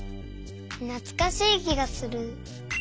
なつかしいきがする。